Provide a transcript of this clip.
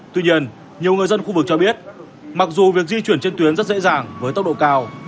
tuy nhiên nhiều người dân khu vực cho biết mặc dù việc di chuyển trên tuyến rất dễ dàng với tốc độ cao